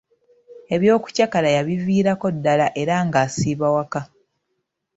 Eby'okucakala yabiviirako ddala era ng'asiiba waka.